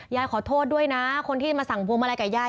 ยายขอโทษด้วยนะคนที่มาสั่งพวงมาลัยกับยาย